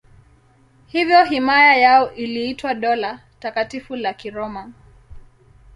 Hivyo himaya yao iliitwa Dola Takatifu la Kiroma.